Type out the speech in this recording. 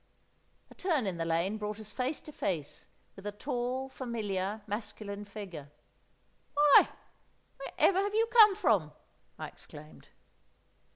A turn in the lane brought us face to face with a tall, familiar masculine figure. "Why, wherever have you come from?" I exclaimed.